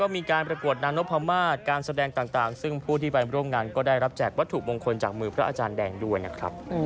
มีการประกวดนางนพมาศการแสดงต่างซึ่งผู้ที่ไปร่วมงานก็ได้รับแจกวัตถุมงคลจากมือพระอาจารย์แดงด้วยนะครับ